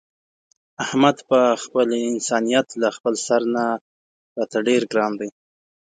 احمد په خپل انسانیت له خپل سر نه راته ډېر ګران دی.